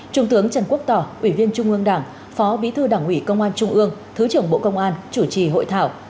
trung tướng trần quốc tỏ ủy viên trung ương đảng phó bí thư đảng ủy công an trung ương thứ trưởng bộ công an chủ trì hội thảo